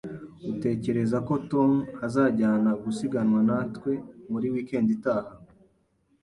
Utekereza ko Tom azajyana gusiganwa natwe muri weekend itaha?